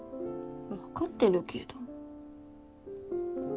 わかってるけど。